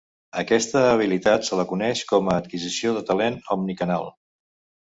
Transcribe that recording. Aquesta habilitat se la coneix com a "adquisició de talent omnicanal".